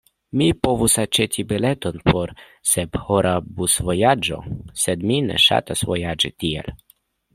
Mi povus aĉeti bileton por sephora busvojaĝo, sed mi ne ŝatas vojaĝi tiel.